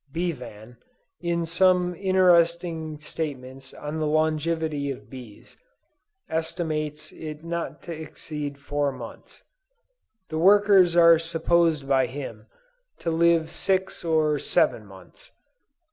Bevan, in some interesting statements on the longevity of bees, estimates it not to exceed four months. The workers are supposed by him, to live six or seven months.